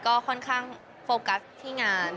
ก็ค่อนข้างโฟกัสที่งาน